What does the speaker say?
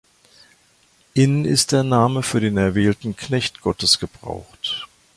In ist der Name für den erwählten Knecht Gottes gebraucht.